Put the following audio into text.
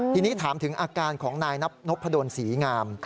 ทีนี้ถามถึงอาการของนายนับนพดลศรีงาม